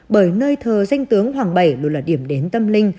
bởi nơi thờ danh tướng hoàng bảy luôn là điểm đến tâm linh